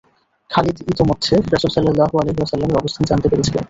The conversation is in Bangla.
খালিদ ইতোপূর্বে রাসূল সাল্লাল্লাহু আলাইহি ওয়াসাল্লাম-এর অবস্থান জানতে পেরেছিলেন।